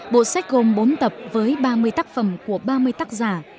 bộ sách gồm bốn tập với ba mươi tác phẩm của ba mươi tác giả